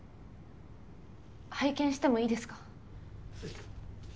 拝見してもいいですか？